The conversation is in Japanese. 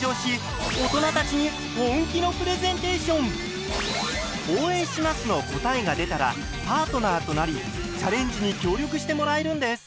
番組では「応援します」の答えが出たらパートナーとなりチャレンジに協力してもらえるんです。